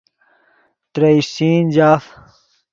ترے اشچین جاف